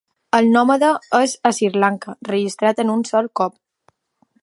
El nòmada és a Sri Lanka, registrat en un sol cop.